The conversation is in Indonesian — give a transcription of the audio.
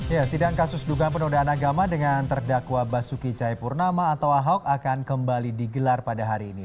ya sidang kasus dugaan penodaan agama dengan terdakwa basuki cahayapurnama atau ahok akan kembali digelar pada hari ini